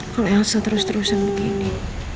kalo yose terus terusan begini